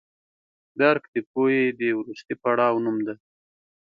درک د پوهې د وروستي پړاو نوم دی.